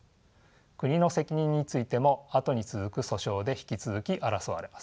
国の責任についてもあとに続く訴訟で引き続き争われます。